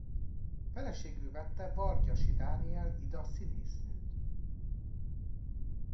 Feleségül vette Vargyasi Dániel Ida színésznőt.